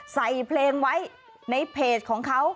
ใส่เพลงไว้ในเพจของเขา